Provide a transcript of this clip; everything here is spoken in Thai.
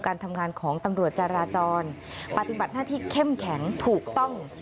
การทำงานของตำรวจจาราจรปฏิบัติหน้าที่เข้มแข็งถูกต้อง